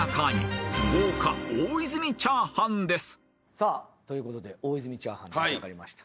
さあということで大泉チャーハン出来上がりました。